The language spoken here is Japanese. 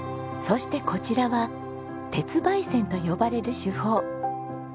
そしてこちらは鉄媒染と呼ばれる手法。